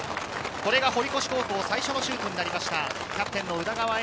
これが堀越高校、最初のシュートになりました、キャプテン・宇田川瑛